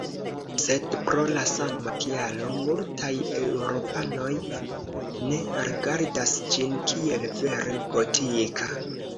Sed pro la sama kialo, multaj eŭropanoj ne rigardas ĝin kiel vere gotika.